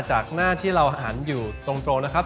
จากหน้าที่เราหันอยู่ตรงนะครับ